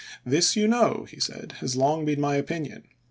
This you know," he said, " has long been my opinion.